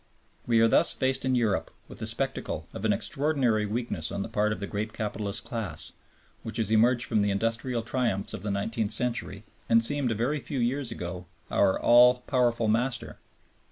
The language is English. We are thus faced in Europe with the spectacle of an extraordinary weakness on the part of the great capitalist class, which has emerged from the industrial triumphs of the nineteenth century, and seemed a very few years ago our all powerful master.